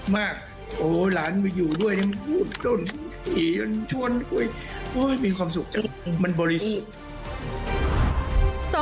มากหลานมาอยู่ด้วยโอ้ยมีความสุขมันบริสุทธิ์